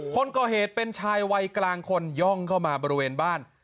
คนก่อเหตุเป็นชายวัยกลางคนย่องเข้ามาบริเวณบ้าน